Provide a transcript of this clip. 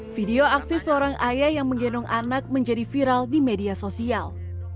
video aksi seorang ayah yang menggendong anak menjadi viral di media sosial